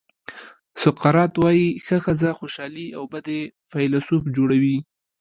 سقراط وایي ښه ښځه خوشالي او بده یې فیلسوف جوړوي.